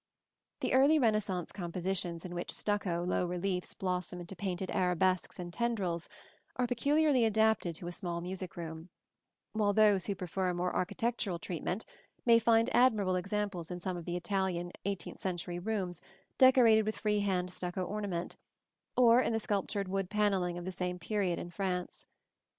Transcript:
] The early Renaissance compositions in which stucco low reliefs blossom into painted arabesques and tendrils, are peculiarly adapted to a small music room; while those who prefer a more architectural treatment may find admirable examples in some of the Italian eighteenth century rooms decorated with free hand stucco ornament, or in the sculptured wood panelling of the same period in France.